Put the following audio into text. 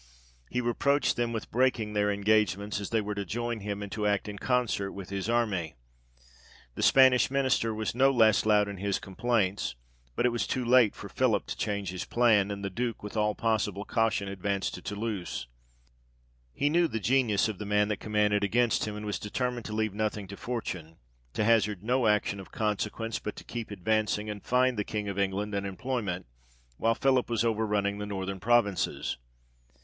He reproached them with breaking their engagements, as they were to join him, and to act in concert with his army. The Spanish minister was no less loud in his com plaints ; but it was too late for Philip to change his plan : and the Duke with all possible caution advanced to Tou louse. He knew the genius of the man that commanded against him, and was determined to leave nothing to fortune ; to hazard no action of consequence, but to keep advancing, and find the King of England an employment, while Philip was over running the northern provinces.